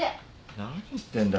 何言ってんだよ？